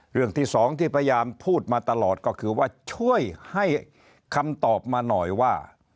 เรื่องที่สองที่พยายามพูดมาตลอดก็คือว่าช่วยให้คำตอบมาหน่อยว่า